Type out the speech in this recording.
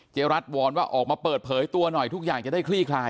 รัฐวอนว่าออกมาเปิดเผยตัวหน่อยทุกอย่างจะได้คลี่คลาย